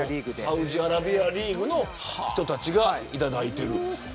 サウジアラビアリーグの人たちがいただいている。